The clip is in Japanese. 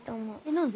何で？